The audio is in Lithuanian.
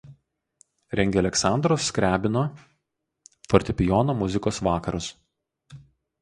Rengė Aleksandro Skriabino fortepijono muzikos vakarus.